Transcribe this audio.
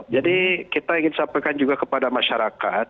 jadi kita ingin sampaikan juga kepada masyarakat